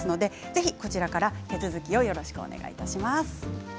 ぜひこちらから手続きをよろしくお願いいたします。